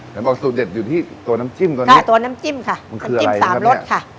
เดี๋ยวบอกสูตรเด็ดอยู่ที่ตัวน้ำจิ้มตัวนี้ตัวน้ำจิ้มค่ะมันคืออะไรน้ำจิ้มสามรสค่ะ